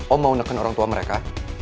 oh mau neken orang tua mereka